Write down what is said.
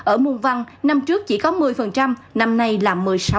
ở môn văn năm trước chỉ có một mươi năm nay là một mươi sáu